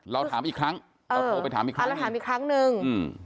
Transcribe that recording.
เราถามอีกครั้งเอาโทรไปถามอีกครั้งนึง